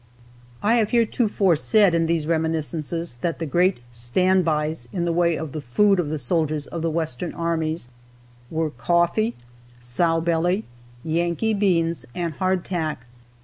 I have heretofore said in these reminiscences that the great "stand bys" in the way of the food of the soldiers of the western armies were coffee, sow belly, Yankee beans, and hardtack.